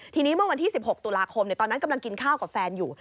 ทีนี้เมื่อวันที่๑๖ตุลาคมตอนนั้นกำลังกินข้าวกับแฟนอยู่